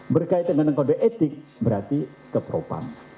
berkaitan dengan kode etik berarti ke propam